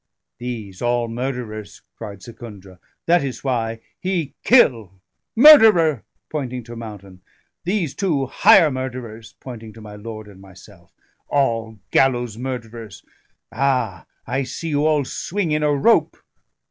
"These all murderers," cried Secundra, "that is why! He kill murderer," pointing to Mountain; "these two hire murderers," pointing to my lord and myself "all gallows murderers! Ah! I see you all swing in a rope.